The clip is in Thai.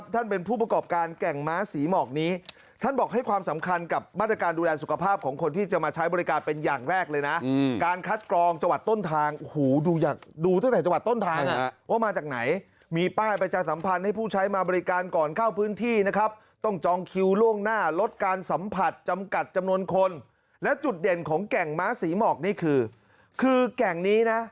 ท่านบอกให้ความสำคัญกับมาตรการดูแลสุขภาพของคนที่จะมาใช้บริการเป็นอย่างแรกเลยนะการคัดกรองจังหวัดต้นทางหูดูอยากดูตั้งแต่จังหวัดต้นทางอ่ะว่ามาจากไหนมีป้ายประชาสัมพันธ์ให้ผู้ใช้มาบริการก่อนเข้าพื้นที่นะครับต้องจองคิวล่วงหน้าลดการสัมผัสจำกัดจำนวนคนและจุดเด่นของแก่งม้าศรีหมอกนี่